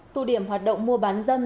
tù điểm hoạt động mua bán dân